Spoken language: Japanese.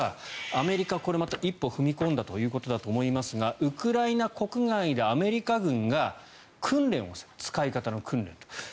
アメリカ、これまた一歩踏み込んだということだと思いますがウクライナ国外でアメリカ軍が使い方の訓練をすると。